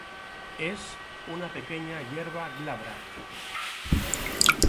Es una pequeña hierba glabra.